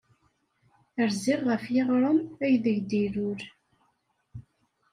Rziɣ ɣef yiɣrem aydeg d-ilul.